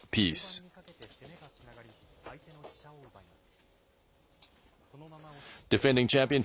藤井七冠終盤にかけて攻めがつながり相手の飛車を奪います。